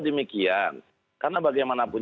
demikian karena bagaimanapun